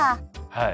はい。